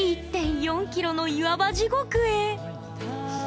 １．４ｋｍの岩場地獄へ。